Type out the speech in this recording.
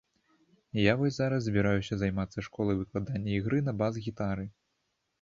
Я вось зараз збіраюся займацца школай выкладання ігры на бас-гітары.